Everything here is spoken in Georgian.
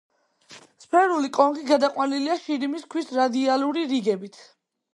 სფერული კონქი გადაყვანილია შირიმის ქვის რადიალური რიგებით.